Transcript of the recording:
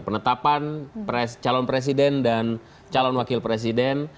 penetapan calon presiden dan calon wakil presiden